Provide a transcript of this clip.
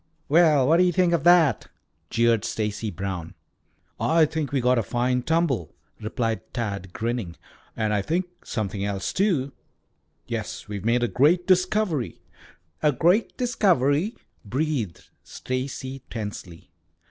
"Well, what do you think of that?" jeered Stacy Brown. "I think we got a fine tumble," replied Tad, grinning. "And I think something else, too." "Yes, we've made a discovery!" "A great discovery," breathed Stacy tensely.